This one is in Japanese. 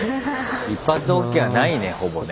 一発オッケーはないねほぼね。